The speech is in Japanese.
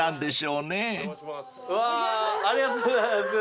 うわーありがとうございます。